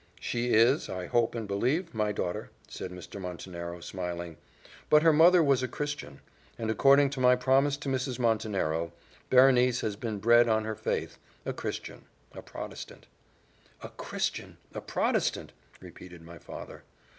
"She is, I hope and believe, my daughter," said Mr. Montenero smiling; "but her mother was a Christian; and according to my promise to Mrs. Montenero, Berenice has been bred in her faith a Christian a Protestant." "A Christian! a Protestant!" repeated my father.